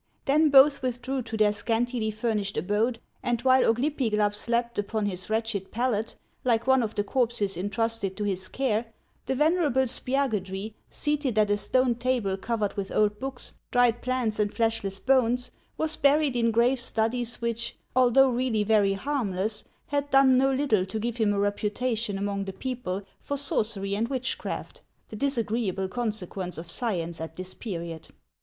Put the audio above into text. Then both withdrew to their scantily furnished abode, and while Oglypiglap slept upon his wretched pallet, like one of the corpses intrusted to his care, the venerable Spiagudry, seated at a stone table covered with old books, dried MASS OF ICELAND. 67 plants, and fleshless bones, was buried iu grave studies which, although really very harmless, had done no little to give him a reputation among the people, for sorcery and witchcraft, — the disagreeable consequence of science at this period.